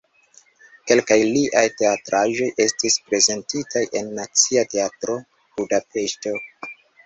Kelkaj liaj teatraĵoj estis prezentitaj en Nacia Teatro (Budapeŝto).